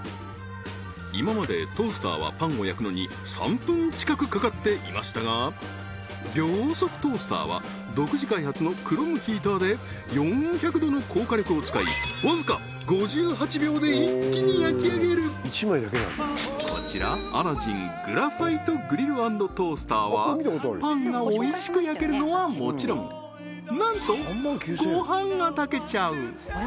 今までトースターはパンを焼くのに３分近くかかっていましたが秒速トースターは独自開発のクロムヒーターで４００度の高火力を使いわずか５８秒で一気に焼き上げるこちらアラジングラファイトグリル＆トースターはパンがおいしく焼けるのはもちろんなんとご飯が炊けちゃう！